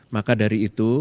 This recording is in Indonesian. maka dari itu